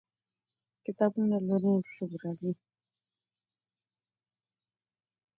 کتابونه له نورو ژبو راځي.